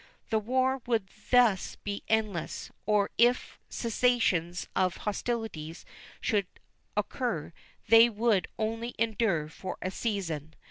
The war would thus be endless, or if cessations of hostilities should occur they would only endure for a season.